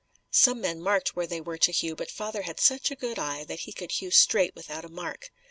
Some men marked where they were to hew but father had such a good eye that he could hew straight without a mark.